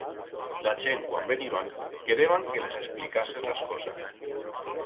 La chent cuan veniban quereban que les explicases las cosas.